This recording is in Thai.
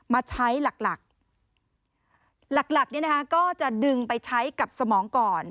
มาใช้หลักหลักเนี่ยนะคะก็จะดึงไปใช้กับสมองก่อน